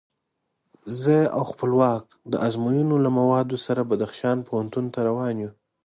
زه او خپلواک د ازموینو له موادو سره بدخشان پوهنتون ته روان شوو.